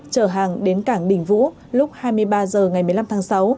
chở hàng đến cảng đình vũ lúc hai mươi ba h ngày một mươi năm tháng sáu